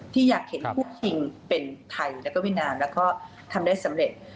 อยากเห็นคู่คิงเป็นไทยแล้วก็เวียดนามแล้วก็ทำได้สำเร็จ